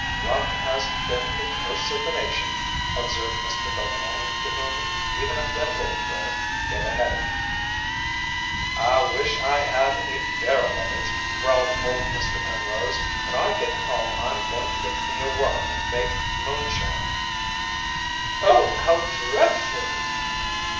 "Rum has been the curse of the nation," observed Mr. Budlong to whom even a thimbleful gave a headache. "I wish I had a barrel of it," growled old Mr. Penrose. "When I get home I'm going to get me a worm and make moonshine." "Oh, how dread ful!"